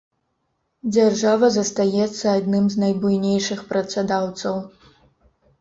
Дзяржава застаецца адным з найбуйнейшых працадаўцаў.